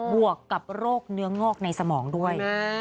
วกกับโรคเนื้องอกในสมองด้วย